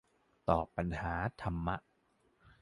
ตอบปัญหาธรรมะ